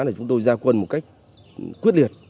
để chúng tôi gia quân một cách quyết liệt